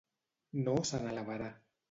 No se n'alabarà.